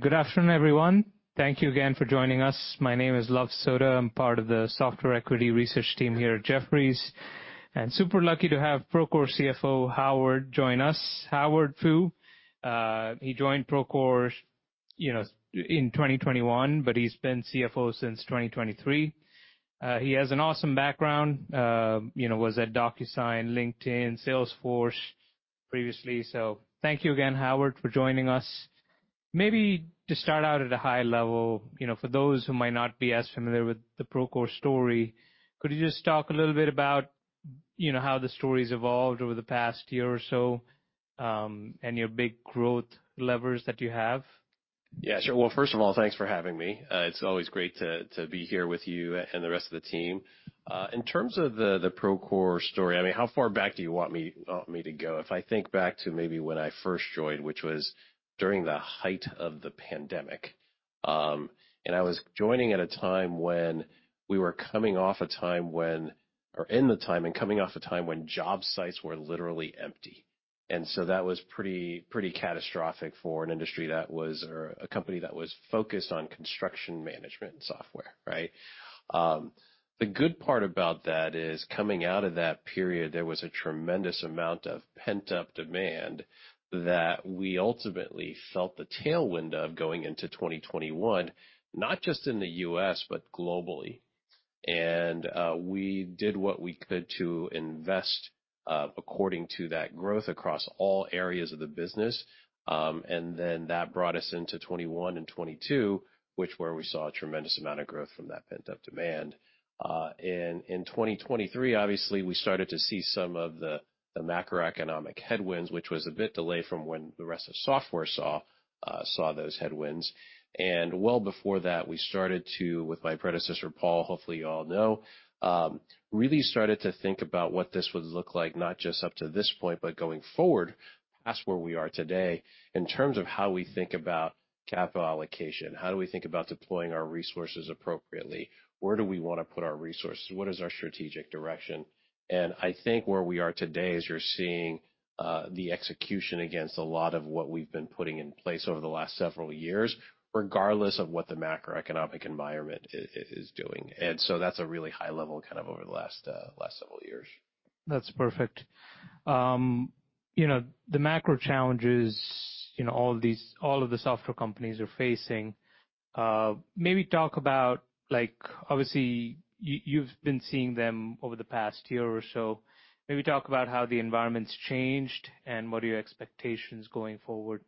Good afternoon, everyone. Thank you again for joining us. My name is Luv Sodha. I'm part of the Software Equity Research Team here at Jefferies, and super lucky to have Procore CFO Howard Fu join us, Howard Fu. He joined Procore, you know, in 2021, but he's been CFO since 2023. He has an awesome background, you know, was at Docusign, LinkedIn, Salesforce previously, so thank you again, Howard, for joining us. Maybe to start out at a high level, you know, for those who might not be as familiar with the Procore story, could you just talk a little bit about, you know, how the story's evolved over the past year or so, and your big growth levers that you have? Yeah, sure. Well, first of all, thanks for having me. It's always great to be here with you and the rest of the team. In terms of the Procore story, I mean, how far back do you want me to go? If I think back to maybe when I first joined, which was during the height of the pandemic, and I was joining at a time when we were coming off a time when job sites were literally empty. So that was pretty catastrophic for a company that was focused on construction management software, right? The good part about that is coming out of that period, there was a tremendous amount of pent-up demand that we ultimately felt the tailwind of going into 2021, not just in the U.S. but globally. And, we did what we could to invest, according to that growth across all areas of the business, and then that brought us into 2021 and 2022, which is where we saw a tremendous amount of growth from that pent-up demand. In 2023, obviously, we started to see some of the macroeconomic headwinds, which was a bit delayed from when the rest of software saw those headwinds. And well before that, we started to, with my predecessor, Paul, hopefully you all know, really started to think about what this would look like, not just up to this point but going forward, past where we are today, in terms of how we think about capital allocation. How do we think about deploying our resources appropriately? Where do we wanna put our resources? What is our strategic direction? And I think where we are today is you're seeing the execution against a lot of what we've been putting in place over the last several years, regardless of what the macroeconomic environment is doing. And so that's a really high level kind of over the last several years. That's perfect. You know, the macro challenges, you know, all these all of the software companies are facing. Maybe talk about, like, obviously, you've been seeing them over the past year or so. Maybe talk about how the environment's changed and what are your expectations going forward.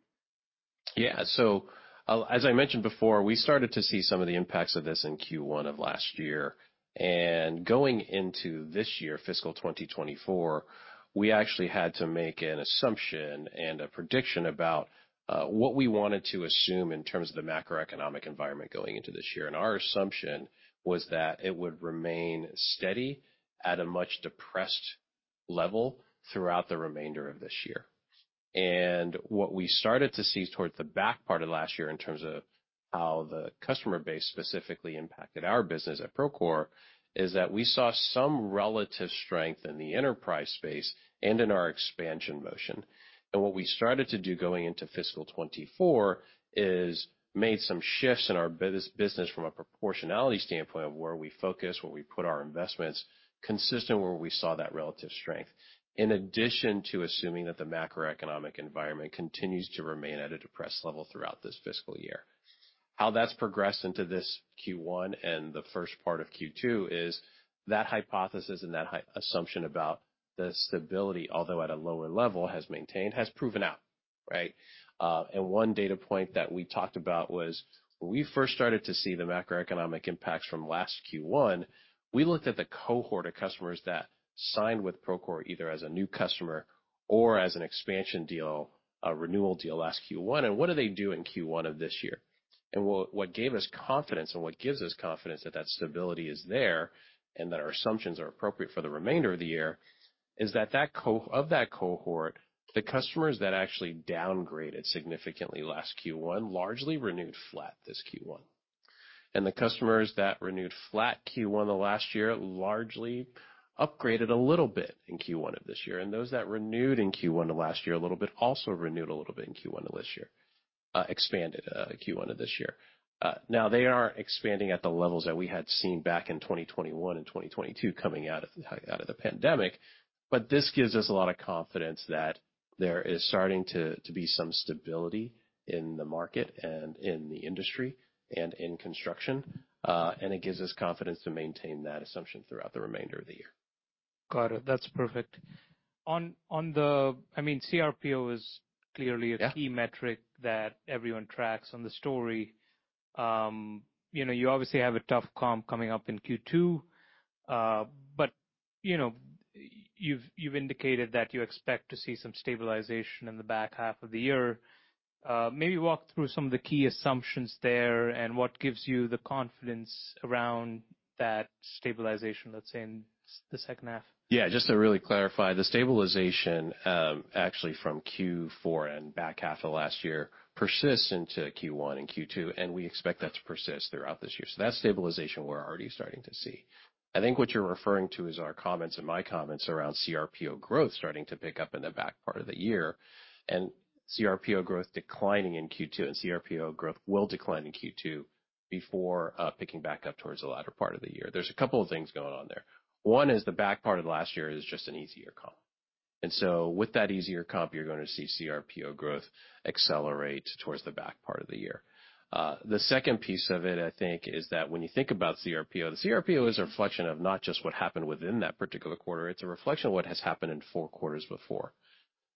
Yeah. So, as I mentioned before, we started to see some of the impacts of this in Q1 of last year. Going into this year, fiscal 2024, we actually had to make an assumption and a prediction about what we wanted to assume in terms of the macroeconomic environment going into this year. Our assumption was that it would remain steady at a much depressed level throughout the remainder of this year. What we started to see towards the back part of last year in terms of how the customer base specifically impacted our business at Procore is that we saw some relative strength in the enterprise space and in our expansion motion. What we started to do going into fiscal 2024 is made some shifts in our base business from a proportionality standpoint of where we focus, where we put our investments, consistent where we saw that relative strength, in addition to assuming that the macroeconomic environment continues to remain at a depressed level throughout this fiscal year. How that's progressed into this Q1 and the first part of Q2 is that hypothesis and that assumption about the stability, although at a lower level, has maintained, has proven out, right? and one data point that we talked about was when we first started to see the macroeconomic impacts from last Q1, we looked at the cohort of customers that signed with Procore either as a new customer or as an expansion deal, a renewal deal last Q1, and what do they do in Q1 of this year? And what, what gave us confidence and what gives us confidence that that stability is there and that our assumptions are appropriate for the remainder of the year is that cohort of that cohort, the customers that actually downgraded significantly last Q1 largely renewed flat this Q1. And the customers that renewed flat Q1 of last year largely upgraded a little bit in Q1 of this year. And those that renewed in Q1 of last year a little bit also renewed a little bit in Q1 of this year, expanded, Q1 of this year. Now, they aren't expanding at the levels that we had seen back in 2021 and 2022 coming out of the height of the pandemic, but this gives us a lot of confidence that there is starting to be some stability in the market and in the industry and in construction, and it gives us confidence to maintain that assumption throughout the remainder of the year. Got it. That's perfect. On the, I mean, CRPO is clearly a key metric. Yeah. That everyone tracks. On the story, you know, you obviously have a tough comp coming up in Q2, but, you know, you've indicated that you expect to see some stabilization in the back half of the year. Maybe walk through some of the key assumptions there and what gives you the confidence around that stabilization, let's say, in the second half. Yeah. Just to really clarify, the stabilization, actually from Q4 and back half of last year persists into Q1 and Q2, and we expect that to persist throughout this year. So that stabilization, we're already starting to see. I think what you're referring to is our comments and my comments around CRPO growth starting to pick up in the back part of the year and CRPO growth declining in Q2 and CRPO growth will decline in Q2 before picking back up towards the latter part of the year. There's a couple of things going on there. One is the back part of last year is just an easier comp. And so with that easier comp, you're gonna see CRPO growth accelerate towards the back part of the year. The second piece of it, I think, is that when you think about CRPO, the CRPO is a reflection of not just what happened within that particular quarter. It's a reflection of what has happened in four quarters before.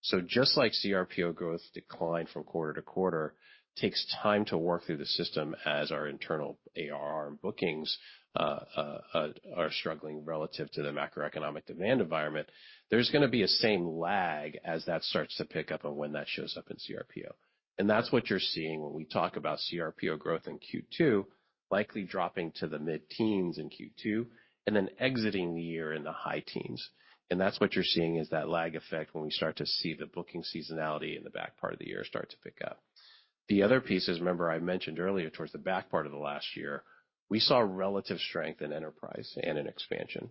So just like CRPO growth declined from quarter to quarter, takes time to work through the system as our internal ARR and bookings are struggling relative to the macroeconomic demand environment, there's gonna be a same lag as that starts to pick up and when that shows up in CRPO. And that's what you're seeing when we talk about CRPO growth in Q2 likely dropping to the mid-teens in Q2 and then exiting the year in the high-teens. And that's what you're seeing is that lag effect when we start to see the booking seasonality in the back part of the year start to pick up. The other piece is, remember, I mentioned earlier towards the back part of the last year, we saw relative strength in enterprise and in expansion.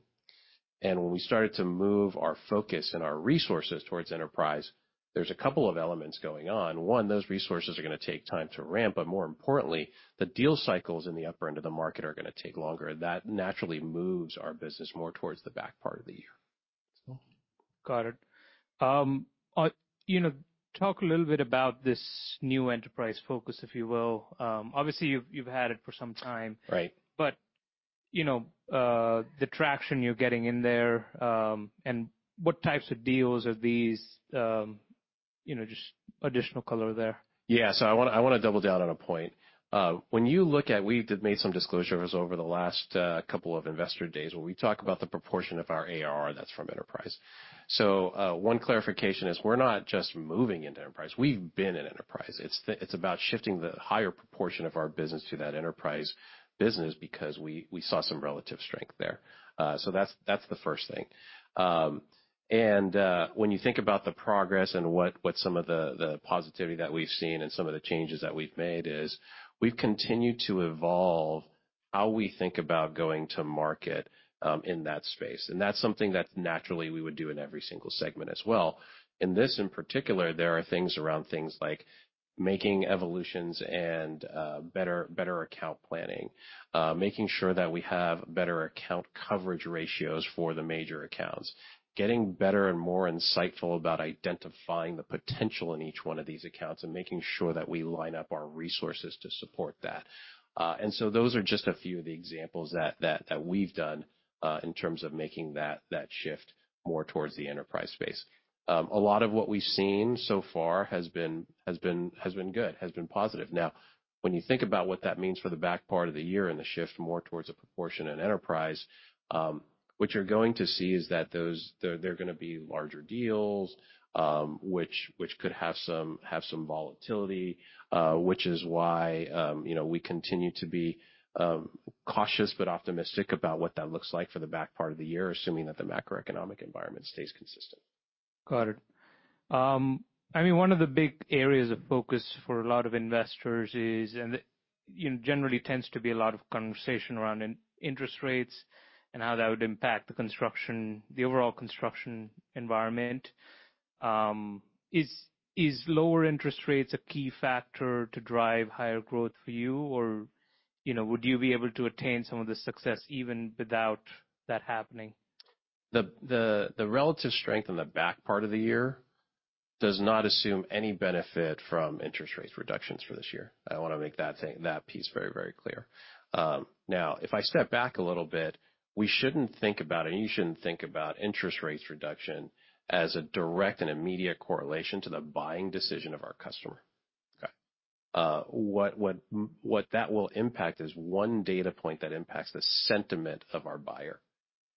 When we started to move our focus and our resources towards enterprise, there's a couple of elements going on. One, those resources are gonna take time to ramp, but more importantly, the deal cycles in the upper end of the market are gonna take longer, and that naturally moves our business more towards the back part of the year. Got it. You know, talk a little bit about this new enterprise focus, if you will. Obviously, you've had it for some time. Right. You know, the traction you're getting in there, and what types of deals are these, you know, just additional color there? Yeah. So I wanna I wanna double down on a point. When you look at, we've made some disclosures over the last couple of investor days where we talk about the proportion of our ARR that's from enterprise. So, one clarification is we're not just moving into enterprise. We've been in enterprise. It's it's about shifting the higher proportion of our business to that enterprise business because we, we saw some relative strength there. So that's, that's the first thing. And, when you think about the progress and what, what some of the, the positivity that we've seen and some of the changes that we've made is we've continued to evolve how we think about going to market in that space. And that's something that naturally we would do in every single segment as well. In this, in particular, there are things around things like making evolutions and better account planning, making sure that we have better account coverage ratios for the major accounts, getting better and more insightful about identifying the potential in each one of these accounts, and making sure that we line up our resources to support that. And so those are just a few of the examples that we've done, in terms of making that shift more towards the enterprise space. A lot of what we've seen so far has been good, has been positive. Now, when you think about what that means for the back part of the year and the shift more towards a proportion in enterprise, what you're going to see is that those there are gonna be larger deals, which could have some volatility, which is why, you know, we continue to be cautious but optimistic about what that looks like for the back part of the year, assuming that the macroeconomic environment stays consistent. Got it. I mean, one of the big areas of focus for a lot of investors is, you know, generally tends to be a lot of conversation around interest rates and how that would impact the overall construction environment. Is lower interest rates a key factor to drive higher growth for you, or, you know, would you be able to attain some of the success even without that happening? The relative strength in the back part of the year does not assume any benefit from interest rate reductions for this year. I wanna make that piece very, very clear. Now, if I step back a little bit, we shouldn't think about and you shouldn't think about interest rate reduction as a direct and immediate correlation to the buying decision of our customer. Okay. What that will impact is one data point that impacts the sentiment of our buyer.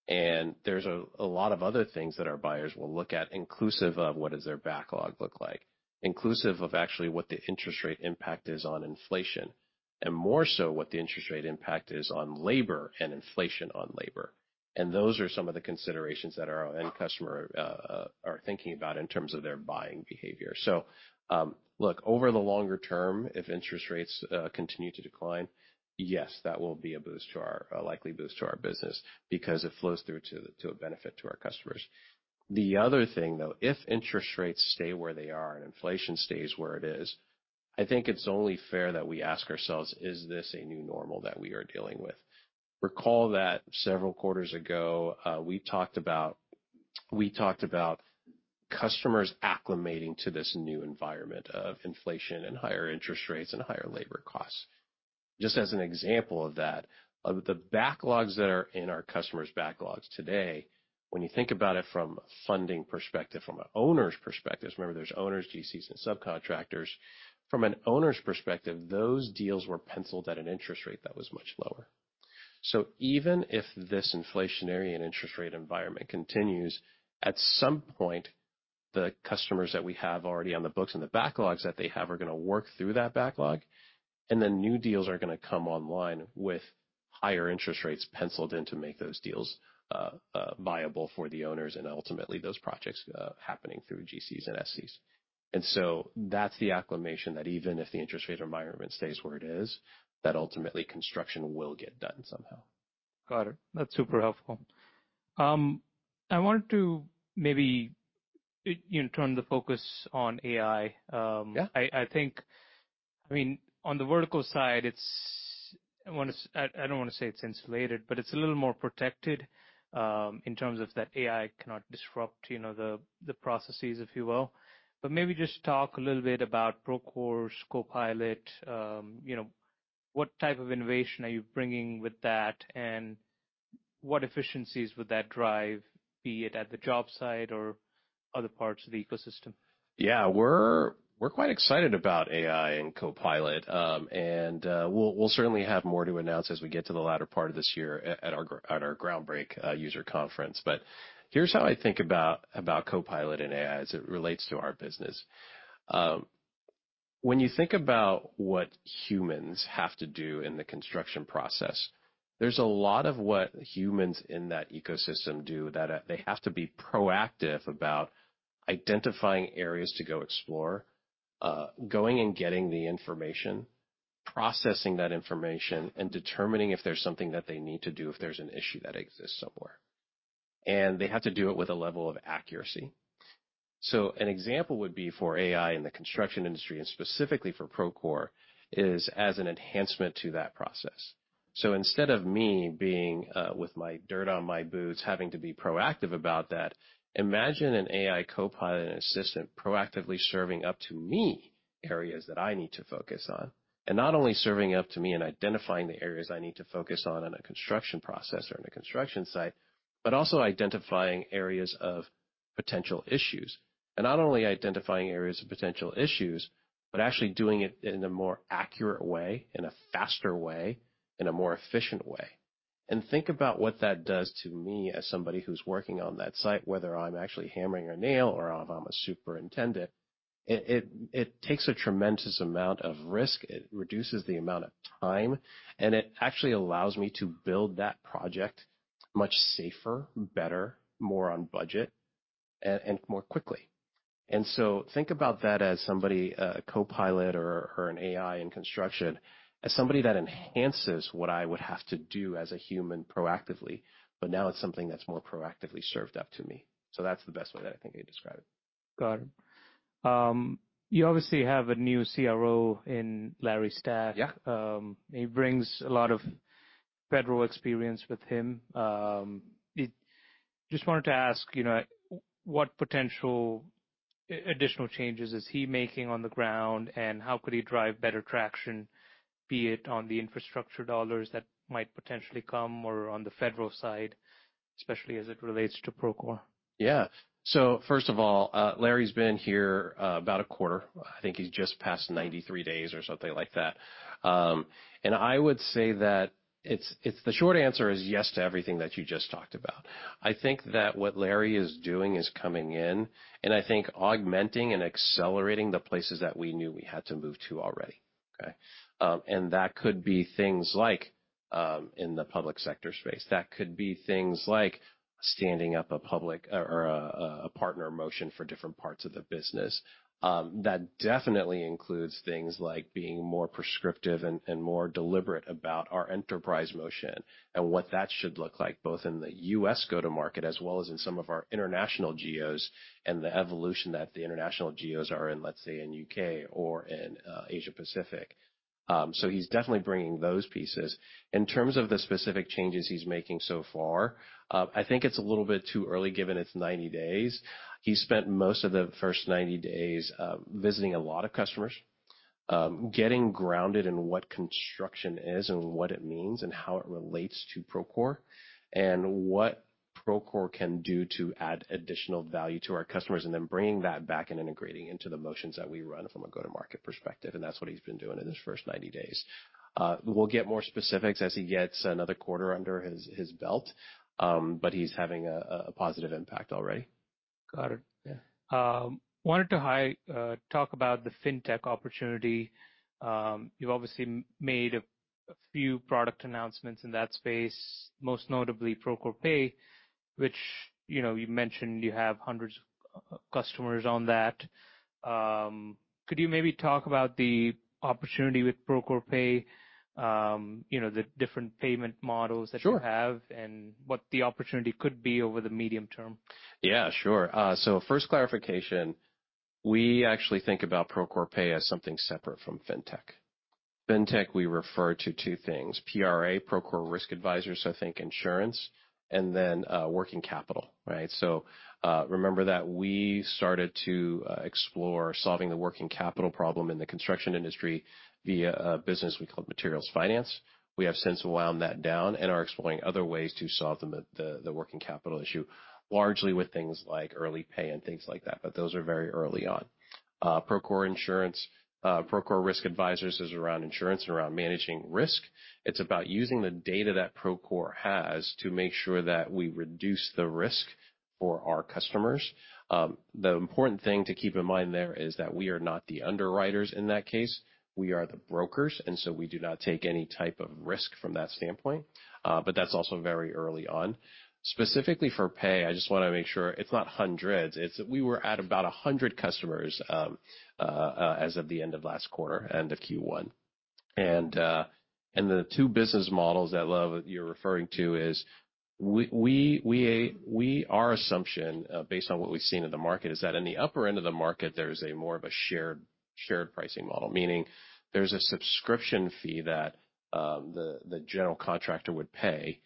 And there's a lot of other things that our buyers will look at, inclusive of what does their backlog look like, inclusive of actually what the interest rate impact is on inflation, and more so what the interest rate impact is on labor and inflation on labor. And those are some of the considerations that our end customers are thinking about in terms of their buying behavior. So, look, over the longer term, if interest rates continue to decline, yes, that will be a likely boost to our business because it flows through to a benefit to our customers. The other thing, though, if interest rates stay where they are and inflation stays where it is, I think it's only fair that we ask ourselves, "Is this a new normal that we are dealing with?" Recall that several quarters ago, we talked about customers acclimating to this new environment of inflation and higher interest rates and higher labor costs. Just as an example of that, of the backlogs that are in our customers' backlogs today, when you think about it from a funding perspective, from an owner's perspective remember, there's owners, GCs, and subcontractors. From an owner's perspective, those deals were penciled at an interest rate that was much lower. So even if this inflationary and interest rate environment continues, at some point, the customers that we have already on the books and the backlogs that they have are gonna work through that backlog, and then new deals are gonna come online with higher interest rates penciled in to make those deals viable for the owners and ultimately those projects happening through GCs and SCs. And so that's the acclimation that even if the interest rate environment stays where it is, that ultimately construction will get done somehow. Got it. That's super helpful. I wanted to maybe, I, you know, turn the focus on AI. Yeah. I think I mean, on the vertical side, it's I wanna say, I don't wanna say it's insulated, but it's a little more protected, in terms of that AI cannot disrupt, you know, the processes, if you will. But maybe just talk a little bit about Procore Copilot, you know, what type of innovation are you bringing with that, and what efficiencies would that drive, be it at the job site or other parts of the ecosystem? Yeah. We're quite excited about AI and Copilot, and we'll certainly have more to announce as we get to the latter part of this year at our Groundbreak user conference. But here's how I think about Copilot and AI as it relates to our business. When you think about what humans have to do in the construction process, there's a lot of what humans in that ecosystem do that they have to be proactive about identifying areas to go explore, going and getting the information, processing that information, and determining if there's something that they need to do if there's an issue that exists somewhere. And they have to do it with a level of accuracy. So an example would be for AI in the construction industry and specifically for Procore is as an enhancement to that process. So instead of me being, with my dirt on my boots, having to be proactive about that, imagine an AI Copilot and assistant proactively serving up to me areas that I need to focus on, and not only serving up to me and identifying the areas I need to focus on in a construction process or in a construction site, but also identifying areas of potential issues. And not only identifying areas of potential issues, but actually doing it in a more accurate way, in a faster way, in a more efficient way. And think about what that does to me as somebody who's working on that site, whether I'm actually hammering a nail or if I'm a superintendent. It takes a tremendous amount of risk. It reduces the amount of time, and it actually allows me to build that project much safer, better, more on budget, and more quickly. And so think about that as somebody, a Copilot or, or an AI in construction, as somebody that enhances what I would have to do as a human proactively, but now it's something that's more proactively served up to me. So that's the best way that I think I'd describe it. Got it. You obviously have a new CRO in Larry Stack. Yeah. He brings a lot of federal experience with him. It just wanted to ask, you know, what potential additional changes is he making on the ground, and how could he drive better traction, be it on the infrastructure dollars that might potentially come or on the federal side, especially as it relates to Procore? Yeah. So first of all, Larry's been here about a quarter. I think he's just passed 93 days or something like that. I would say that it's the short answer is yes to everything that you just talked about. I think that what Larry is doing is coming in and I think augmenting and accelerating the places that we knew we had to move to already, okay? That could be things like in the public sector space. That could be things like standing up a public or a partner motion for different parts of the business. That definitely includes things like being more prescriptive and more deliberate about our enterprise motion and what that should look like, both in the U.S. go-to-market as well as in some of our international Geos and the evolution that the international Geos are in, let's say, in U.K. or in Asia Pacific. So he's definitely bringing those pieces. In terms of the specific changes he's making so far, I think it's a little bit too early given it's 90 days. He spent most of the first 90 days, visiting a lot of customers, getting grounded in what construction is and what it means and how it relates to Procore, and what Procore can do to add additional value to our customers, and then bringing that back and integrating into the motions that we run from a go-to-market perspective. And that's what he's been doing in his first 90 days. We'll get more specifics as he gets another quarter under his belt, but he's having a positive impact already. Got it. Yeah. Wanted to dive, talk about the fintech opportunity. You've obviously made a few product announcements in that space, most notably Procore Pay, which, you know, you mentioned you have hundreds of customers on that. Could you maybe talk about the opportunity with Procore Pay, you know, the different payment models that you have. Sure. What the opportunity could be over the medium term? Yeah. Sure. So first clarification, we actually think about Procore Pay as something separate from fintech. Fintech, we refer to two things: PRA, Procore Risk Advisors, I think, insurance, and then, working capital, right? So, remember that we started to explore solving the working capital problem in the construction industry via a business we call Materials Finance. We have since wound that down and are exploring other ways to solve the the working capital issue, largely with things like early pay and things like that, but those are very early on. Procore insurance, Procore Risk Advisors is around insurance and around managing risk. It's about using the data that Procore has to make sure that we reduce the risk for our customers. The important thing to keep in mind there is that we are not the underwriters in that case. We are the brokers, and so we do not take any type of risk from that standpoint, but that's also very early on. Specifically for pay, I just wanna make sure it's not hundreds. It's that we were at about 100 customers, as of the end of last quarter, end of Q1. And the two business models that Luv you're referring to is we our assumption, based on what we've seen in the market, is that in the upper end of the market, there's a more of a shared pricing model, meaning there's a subscription fee that the general contractor would pay,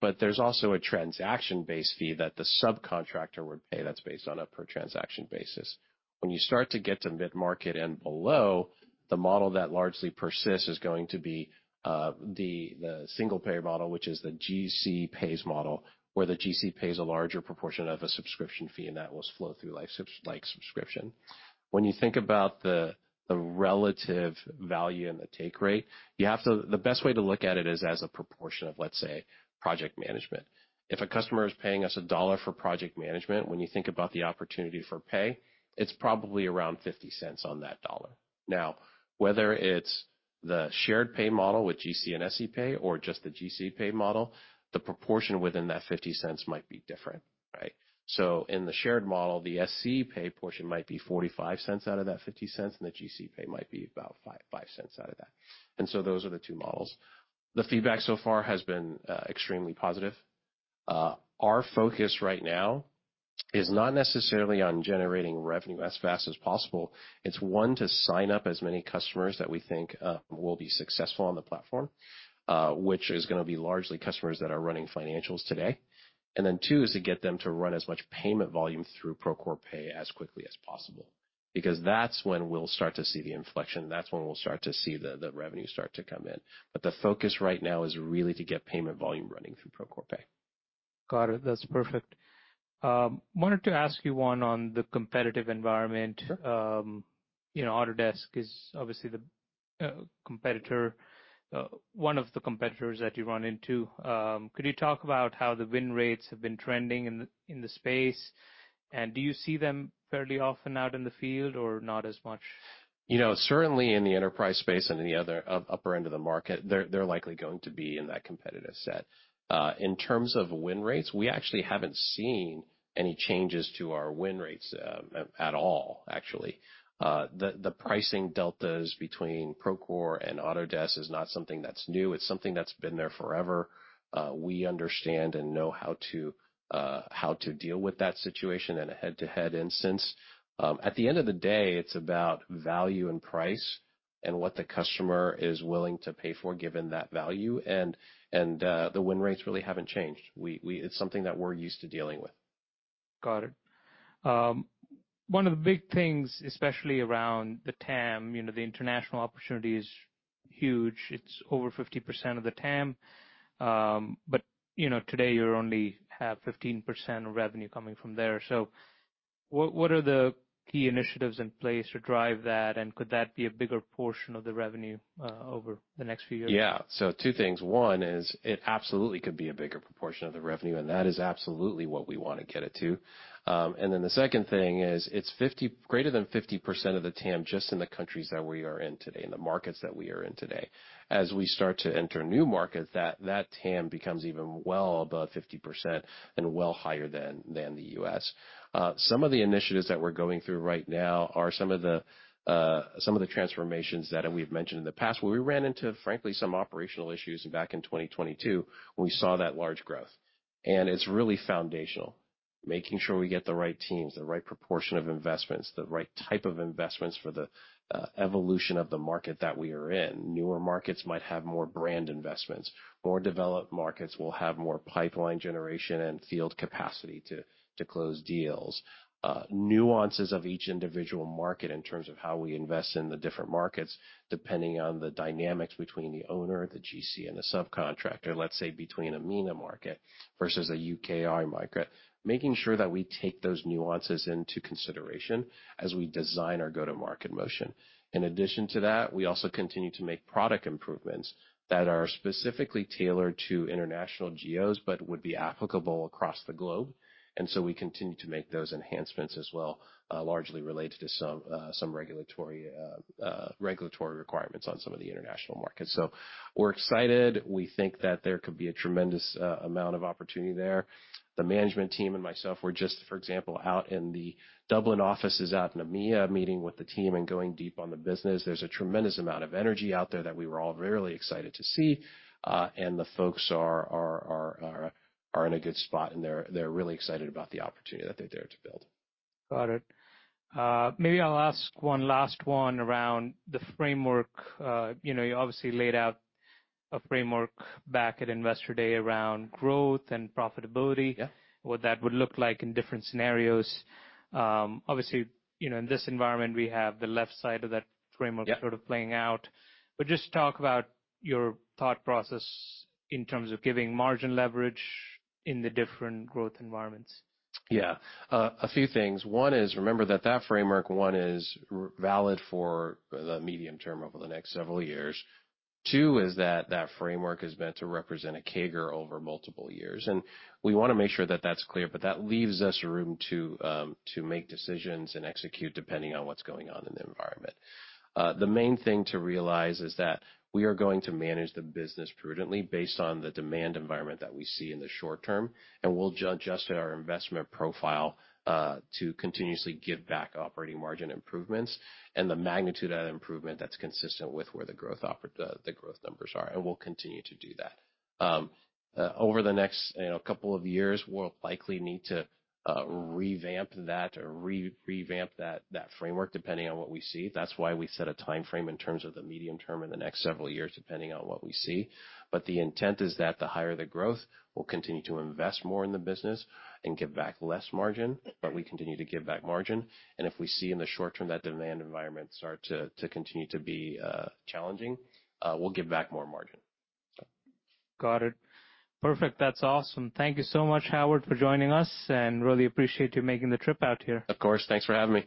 but there's also a transaction-based fee that the subcontractor would pay that's based on a per-transaction basis. When you start to get to mid-market and below, the model that largely persists is going to be the single-payer model, which is the GC pays model, where the GC pays a larger proportion of a subscription fee, and that will flow through like subs like subscription. When you think about the relative value and the take rate, you have to, the best way to look at it is as a proportion of, let's say, project management. If a customer is paying us $1 for project management, when you think about the opportunity for pay, it's probably around $0.50 on that dollar. Now, whether it's the shared pay model with GC and SC pay or just the GC pay model, the proportion within that $0.50 might be different, right? So in the shared model, the SC pay portion might be $0.45 out of that $0.50, and the GC pay might be about $0.05 out of that. And so those are the two models. The feedback so far has been extremely positive. Our focus right now is not necessarily on generating revenue as fast as possible. It's one, to sign up as many customers that we think will be successful on the platform, which is gonna be largely customers that are running financials today. And then two is to get them to run as much payment volume through Procore Pay as quickly as possible because that's when we'll start to see the inflection. That's when we'll start to see the revenue start to come in. But the focus right now is really to get payment volume running through Procore Pay. Got it. That's perfect. Wanted to ask you one on the competitive environment. Sure. You know, Autodesk is obviously the competitor, one of the competitors that you run into. Could you talk about how the win rates have been trending in the space, and do you see them fairly often out in the field or not as much? You know, certainly in the enterprise space and in the other upper end of the market, they're likely going to be in that competitive set. In terms of win rates, we actually haven't seen any changes to our win rates at all, actually. The pricing deltas between Procore and Autodesk is not something that's new. It's something that's been there forever. We understand and know how to deal with that situation in a head-to-head instance. At the end of the day, it's about value and price and what the customer is willing to pay for given that value. And the win rates really haven't changed. We it's something that we're used to dealing with. Got it. One of the big things, especially around the TAM, you know, the international opportunity is huge. It's over 50% of the TAM, but, you know, today, you only have 15% of revenue coming from there. So what, what are the key initiatives in place to drive that, and could that be a bigger portion of the revenue, over the next few years? Yeah. So two things. One is it absolutely could be a bigger proportion of the revenue, and that is absolutely what we wanna get it to. And then the second thing is it's 50 greater than 50% of the TAM just in the countries that we are in today, in the markets that we are in today. As we start to enter new markets, that TAM becomes even well above 50% and well higher than the U.S. Some of the initiatives that we're going through right now are some of the transformations that we've mentioned in the past where we ran into, frankly, some operational issues back in 2022 when we saw that large growth. It's really foundational, making sure we get the right teams, the right proportion of investments, the right type of investments for the evolution of the market that we are in. Newer markets might have more brand investments. More developed markets will have more pipeline generation and field capacity to close deals. Nuances of each individual market in terms of how we invest in the different markets depending on the dynamics between the owner, the GC, and the subcontractor, let's say, between a MENA market versus a UKI market, making sure that we take those nuances into consideration as we design our go-to-market motion. In addition to that, we also continue to make product improvements that are specifically tailored to international GCs but would be applicable across the globe. And so we continue to make those enhancements as well, largely related to some regulatory requirements on some of the international markets. So we're excited. We think that there could be a tremendous amount of opportunity there. The management team and myself, we're just, for example, out in the Dublin offices out in EMEA meeting with the team and going deep on the business. There's a tremendous amount of energy out there that we were all really excited to see. And the folks are in a good spot, and they're really excited about the opportunity that they're there to build. Got it. Maybe I'll ask one last one around the framework. You know, you obviously laid out a framework back at Investor Day around growth and profitability. Yeah. What that would look like in different scenarios. Obviously, you know, in this environment, we have the left side of that framework. Yeah. Sort of playing out. But just talk about your thought process in terms of giving margin leverage in the different growth environments. Yeah. A few things. One is remember that that framework, one, is valid for the medium term over the next several years. Two is that that framework is meant to represent a CAGR over multiple years. And we wanna make sure that that's clear, but that leaves us room to make decisions and execute depending on what's going on in the environment. The main thing to realize is that we are going to manage the business prudently based on the demand environment that we see in the short term, and we'll adjust our investment profile to continuously give back operating margin improvements and the magnitude of that improvement that's consistent with where the growth operating the growth numbers are. And we'll continue to do that. Over the next, you know, couple of years, we'll likely need to revamp that or revamp that, that framework depending on what we see. That's why we set a timeframe in terms of the medium term in the next several years depending on what we see. But the intent is that the higher the growth, we'll continue to invest more in the business and give back less margin, but we continue to give back margin. And if we see in the short term that demand environment start to, to continue to be, challenging, we'll give back more margin. Got it. Perfect. That's awesome. Thank you so much, Howard, for joining us, and really appreciate you making the trip out here. Of course. Thanks for having me.